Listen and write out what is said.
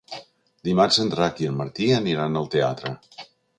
Dimarts en Drac i en Martí aniran al teatre.